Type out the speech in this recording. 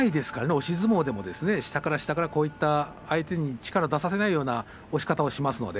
押し相撲でも下から下から相手に力を出させないような押し方をしますので。